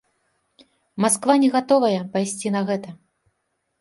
Масква не гатовая пайсці на гэта.